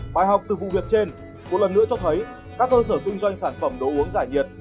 bài học từ vụ việc trên một lần nữa cho thấy các cơ sở kinh doanh sản phẩm đồ uống giải nhiệt